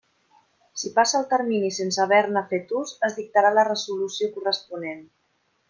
Si passa el termini sense haver-ne fet ús, es dictarà la resolució corresponent.